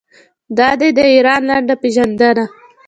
دا دی د ایران لنډه پیژندنه.